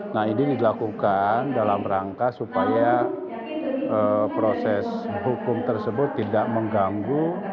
nah ini dilakukan dalam rangka supaya proses hukum tersebut tidak mengganggu